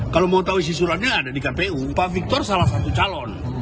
kalau mau tahu isi suratnya ada di kpu pak victor salah satu calon